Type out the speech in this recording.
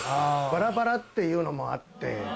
バラバラっていうのもあって。